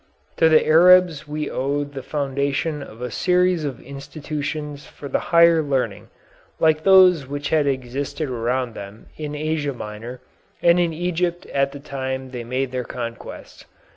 To the Arabs we owe the foundation of a series of institutions for the higher learning, like those which had existed around them in Asia Minor and in Egypt at the time they made their conquests.